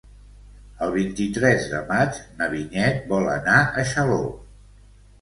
El vint-i-tres de maig na Vinyet vol anar a Xaló.